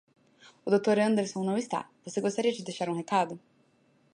O Dr. Anderson não está, você gostaria de deixar um recado.